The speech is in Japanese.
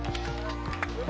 うわ！